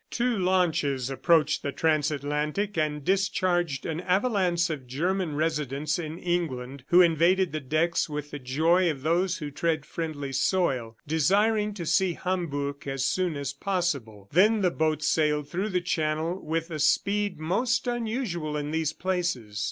Two launches approached the transatlantic and discharged an avalanche of Germans residents in England who invaded the decks with the joy of those who tread friendly soil, desiring to see Hamburg as soon as possible. Then the boat sailed through the Channel with a speed most unusual in these places.